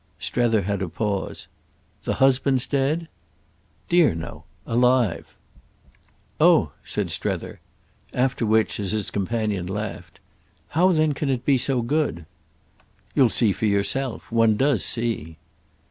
Strether had a pause. "The husband's dead?" "Dear no. Alive." "Oh!" said Strether. After which, as his companion laughed: "How then can it be so good?" "You'll see for yourself. One does see."